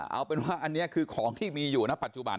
เอาเป็นว่าอันนี้คือของที่มีอยู่นะปัจจุบัน